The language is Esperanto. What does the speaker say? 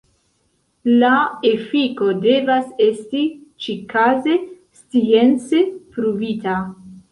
La efiko devas esti ĉikaze science pruvita.